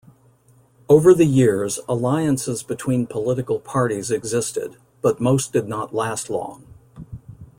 Over the years, alliances between political parties existed, but most did not last long.